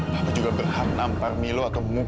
papa juga berhak nampak milo atau mukul dia